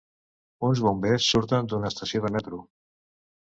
Uns bombers surten d'una estació de metro.